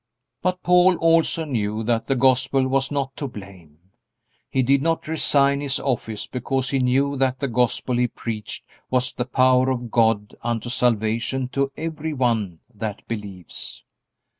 But Paul also knew that the Gospel was not to blame. He did not resign his office because he knew that the Gospel he preached was the power of God unto salvation to every one that believes.